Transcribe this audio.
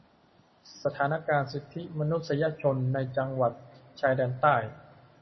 สถานการณ์สิทธิมนุษยชน ในจังหวัดชายแดนใต้